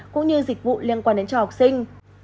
cũng như dịch vụ liên quan đến cho học sinh